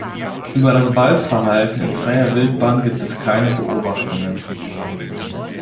Über das Balzverhalten in freier Wildbahn gibt es keine Beobachtungen.